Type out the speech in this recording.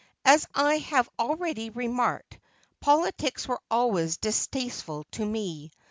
As I have already remarked, politics were always distasteful to me.